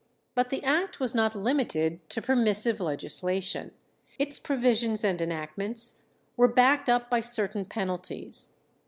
But the act was not limited to permissive legislation. Its provisions and enactments were backed up by certain penalties.